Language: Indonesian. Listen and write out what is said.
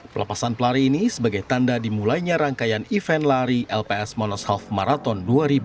pelepasan pelari ini sebagai tanda dimulainya rangkaian event lari lps monoself marathon dua ribu dua puluh